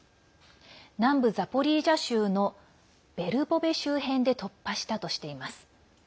南部ザポリージャ州のベルボベ周辺で突破したとしています。